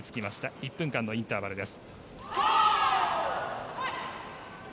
１分間のインターバルです。